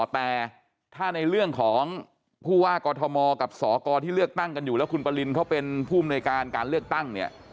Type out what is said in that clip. แต่ถ้าในเรื่องของผู้ว่ากอทมกับสกที่เลือกตั้งกันอยู่แล้วคุณปรินเขาเป็นผู้อำนวยการการเลือกตั้งเนี่ย